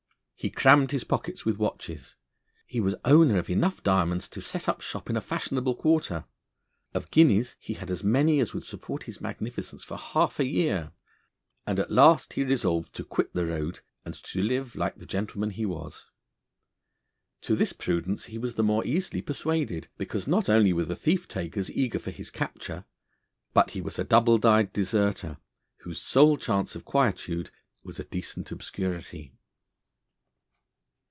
He crammed his pockets with watches; he was owner of enough diamonds to set up shop in a fashionable quarter; of guineas he had as many as would support his magnificence for half a year; and at last he resolved to quit the road, and to live like the gentleman he was. To this prudence he was the more easily persuaded, because not only were the thief takers eager for his capture, but he was a double dyed deserter, whose sole chance of quietude was a decent obscurity.